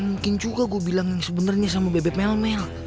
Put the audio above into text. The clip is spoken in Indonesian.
mungkin juga gua bilang yang sebenernya sama bebek melmel